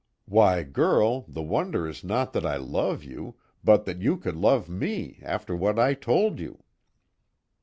Why, girl, the wonder is not that I love you but that you could love me, after what I told you."